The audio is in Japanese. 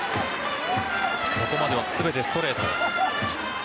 ここまでは全てストレート。